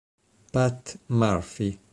Pat Murphy